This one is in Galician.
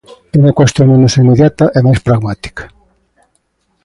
E unha cuestión menos inmediata e máis pragmática.